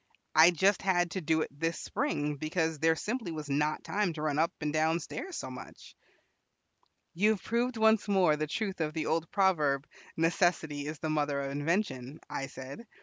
I just had to do it this spring, because there simply was not time to run up and down stairs so much." "You have proved once more the truth of the old proverb, 'Necessity is the mother of invention,'" I said.